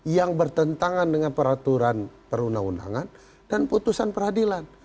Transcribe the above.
yang bertentangan dengan peraturan perundang undangan dan putusan peradilan